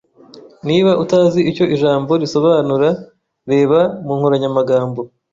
Niba utazi icyo ijambo risobanura, reba mu nkoranyamagambo.